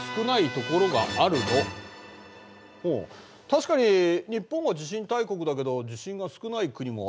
確かに日本は地震大国だけど地震が少ない国もあるわな。